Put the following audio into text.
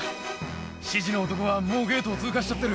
７時の男はもうゲートを通過しちゃってる。